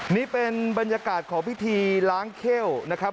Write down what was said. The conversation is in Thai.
นี่เป็นบรรยากาศของพิธีล้างเข้วนะครับ